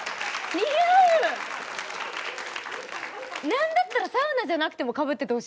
何だったらサウナじゃなくてもかぶっててほしいですね。